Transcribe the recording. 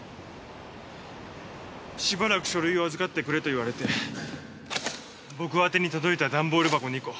しばらく書類を預かってくれと言われて僕あてに届いた段ボール箱２個。